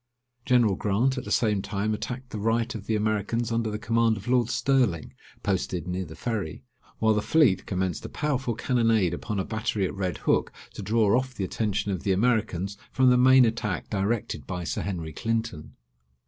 General Grant at the same time attacked the right of the Americans under the command of Lord Sterling, posted near the Ferry; while the fleet commenced a powerful cannonade upon a battery at Red Hook, to draw off the attention of the Americans from the main attack directed by Sir Henry Clinton.